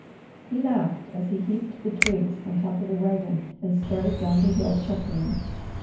He laughed as he heaped the twigs on top of the wagon and started down the hill chuckling.